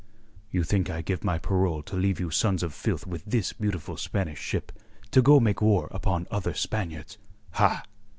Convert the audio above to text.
"You think I give my parole to leave you sons of filth with this beautiful Spanish ship, to go make war upon other Spaniards! Ha!"